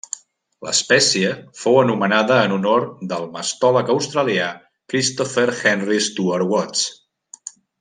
L'espècie fou anomenada en honor del mastòleg australià Christopher Henry Stuart Watts.